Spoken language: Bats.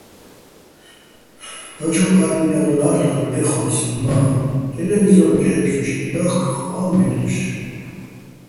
დაჩოკ ა́დმენეღ ლა́რ'ლარ დეხო́ს მა́, ტელევიზო́რეგ ჰ̦ე́ფსუშ ჺედა́ხკ, ყა́ვი მე́ლ'ოშ.